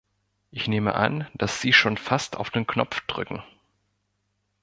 Ich nehme an, dass Sie schon fast auf den Knopf drücken.